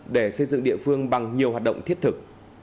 để xây dựng địa phương bằng nhiều hoạt động thiết thực